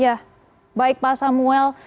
ya baik pak samuel